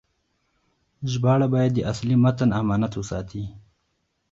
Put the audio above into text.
ژباړه باید د اصلي متن امانت وساتي.